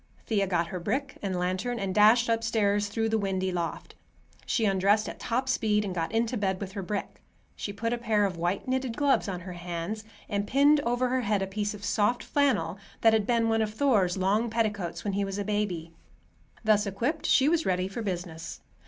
Thea got her brick and lantern, and dashed upstairs through the windy loft. She undressed at top speed and got into bed with her brick. She put a pair of white knitted gloves on her hands, and pinned over her head a piece of soft flannel that had been one of Thor's long petticoats when he was a baby. Thus equipped, she was ready for business.